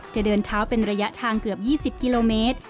จะเดินเท้าเป็นระยะทางเกือบ๒๐กิโลเมตร